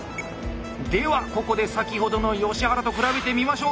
ではここで先ほどの吉原と比べてみましょう。